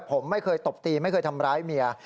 ผมไม่เคยตบตีไม่เคยทำร้ายเมีย